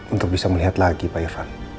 untuk bisa melihat lagi pak irfan